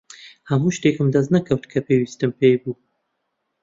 هەموو شتێکم دەست نەکەوت کە پێویستم پێی بوو.